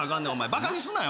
バカにすんなよ